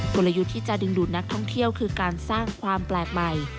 กลยุทธ์ที่จะดึงดูดนักท่องเที่ยวคือการสร้างความแปลกใหม่